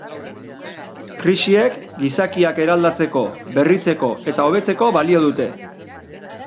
Krisiek gizakiak eraldatzeko, berritzeko eta hobetzeko balio dute.